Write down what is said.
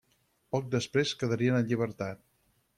Poc després quedarien en llibertat.